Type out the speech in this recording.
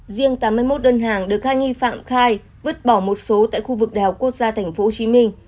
riêng tám mươi một đơn hàng được hai nghi phạm khai vứt bỏ một số tại khu vực đèo quốc gia tp hcm